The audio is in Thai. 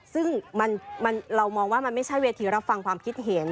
ซึ่งเรามองว่ามันไม่ใช่เวทีรับฟังความคิดเห็น